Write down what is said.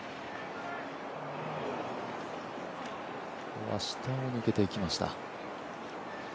これは、下を抜けていきました。